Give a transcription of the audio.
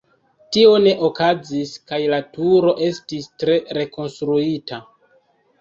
Tio ne okazis kaj la turo estis tre rekonstruita.